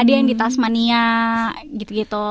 ada yang di tasmania gitu gitu